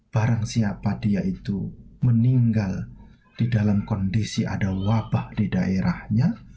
barang siapa dia itu meninggal di dalam kondisi ada wabah di daerahnya